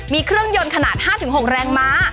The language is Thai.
มีเครื่องยนต์ขนาด๕๖แรงม้า